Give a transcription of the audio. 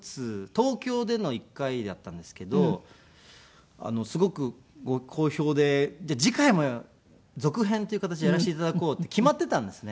東京での１回だったんですけどすごく好評で次回も続編という形でやらせて頂こうって決まっていたんですね。